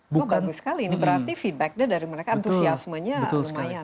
wah bagus sekali ini berarti feedbacknya dari mereka antusiasmenya lumayan